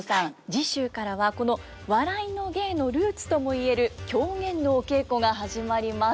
次週からはこの笑いの芸のルーツともいえる狂言のお稽古が始まります。